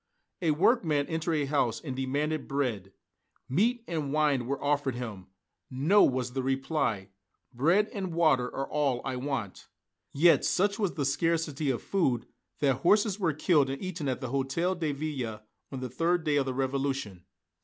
A workman entered a house and demanded bread. Meat and wine were offered him. "No," was the reply, "bread and water are all I want." Yet such was the scarcity of food that horses were killed and eaten at the Hôtel de Ville, on the third day of the Revolution.